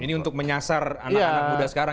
ini untuk menyasar anak anak muda sekarang